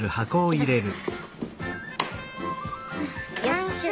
よし。